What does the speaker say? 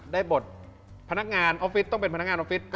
ได้บทพนักงานออฟฟิศต้องเป็นพนักงานออฟฟิศ